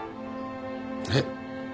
えっ？